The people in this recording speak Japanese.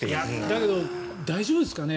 だけど怪我、大丈夫ですかね。